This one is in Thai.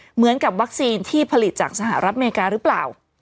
เหมือนกับวัคซีนที่ผลิตจากสหรัฐอเมริกาหรือเปล่า